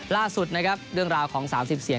ล่าสุดนะครับเรื่องราวของ๓๐เสียง